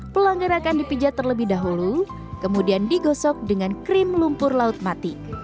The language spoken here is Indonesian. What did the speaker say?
pelanggar akan dipijat terlebih dahulu kemudian digosok dengan krim lumpur laut mati